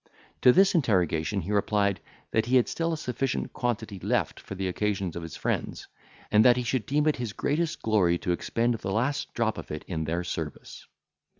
To this interrogation he replied, that he had still a sufficient quantity left for the occasions of his friends; and that he should deem it his greatest glory to expend the last drop of it in their service.